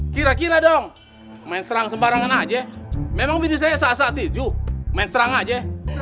kira kira dong main serang sembarangan aja memang bisnis saya sah sah sih ju main serang aja